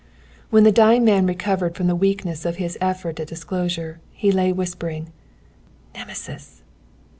When the dying man recovered from the weakness of his effort at disclosure, he lay whispering, "Nemesis!